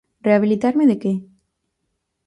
¿Rehabilitarme de que?